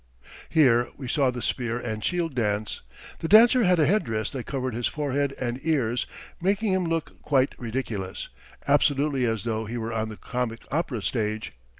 Here we saw the spear and shield dance. The dancer had a headdress that covered his forehead and ears, making him look quite ridiculous, absolutely as though he were on the comic opera stage.